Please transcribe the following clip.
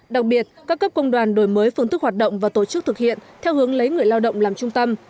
đặc biệt các cấp công đoàn đổi mới phương thức hoạt động và tổ chức thực hiện theo hướng lấy người lao động làm trung tâm